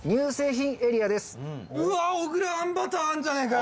小倉あんバターあんじゃねえかよ！